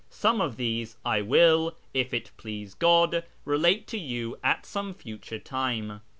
Some of these I will, if it j)lease God, relate to you at some future time.